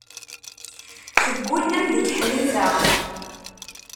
Teggullemt deg Ḥnifa.